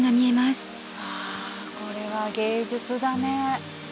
うわこれは芸術だね。